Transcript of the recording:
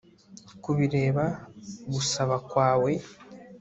Kubireba gusaba kwawe